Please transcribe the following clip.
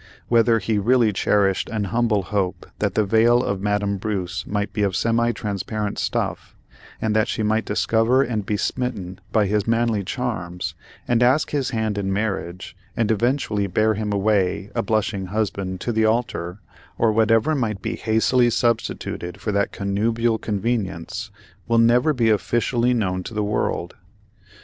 Whether he really cherished an humble hope that the veil of Madame Bruce might be of semi transparent stuff, and that she might discover and be smitten by his manly charms, and ask his hand in marriage, and eventually bear him away, a blushing husband, to the altar, or whatever might be hastily substituted for that connubial convenience, will never be officially known to the world.